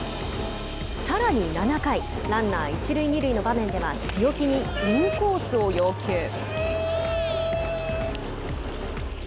さらに７回ランナー一塁二塁の場面では強気にインコースを要求。